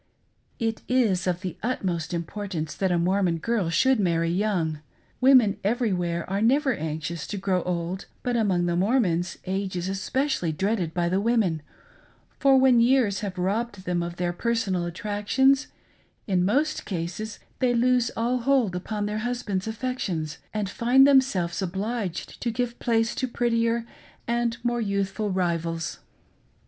It is of the utmost importance that a Mor mon girl should marry young. Women everywhere are never anxious to grow old, but among the Mormons age is especially dreaded by the women, for when years have robbed them of their personal attractions, in most cases they lose all hold upon , their husband's affections and find themselves obliged to give place to prettier and more youthful rivals.